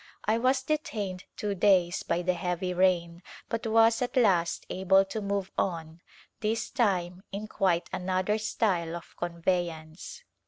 I was detained two days by the heavy rain but was at last able to move on, this time in quite another style of convevance.